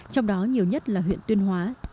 trong đó nhiều nhất là huyện tuyên hóa